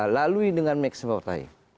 lalu dengan meksipapertai